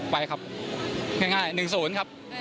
ไปครับง่าย๑๐ครับ